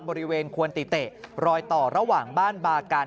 บริเวณควนติเตะรอยต่อระหว่างบ้านบากัน